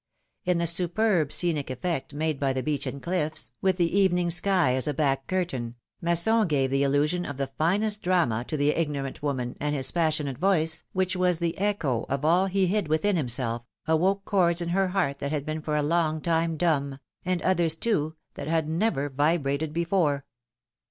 In the superb scenic effect made by the beach and cliffs, with the evening sky as a back curtain, Masson gave the illusion of the finest drama to the ignorant woman, and his passionate voice, which was the echo of all he hid within himself, awoke chords in her heart that had been for a long time dumb, and others, too, that had never vibrated before.